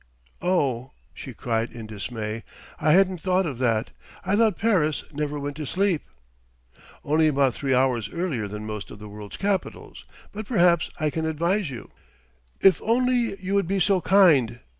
"Oh!" she cried in dismay. "I hadn't thought of that.... I thought Paris never went to sleep!" "Only about three hours earlier than most of the world's capitals.... But perhaps I can advise you " "If you would be so kind!